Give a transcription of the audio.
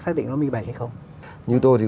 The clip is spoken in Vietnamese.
xác định nó minh bạch hay không như tôi thì